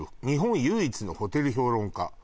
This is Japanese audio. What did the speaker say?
「日本唯一のホテル評論家」